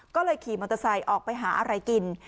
ก็เลยขี่มอเตอร์ไซค์ออกไปหาอะไรกิน